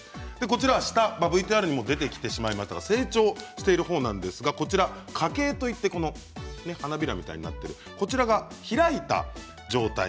こちら下ＶＴＲにも出てきてしまいましたが成長している方なんですがこちら花茎といって花びらみたいになっているこちらが開いた状態。